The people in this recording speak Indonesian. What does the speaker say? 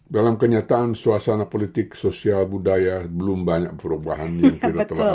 dalam kenyataan suasana politik sosial budaya belum banyak perubahan yang kita telah alami